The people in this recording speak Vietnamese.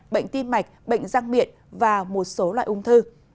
bệnh tim mạch bệnh răng miệng và một số loại ung thư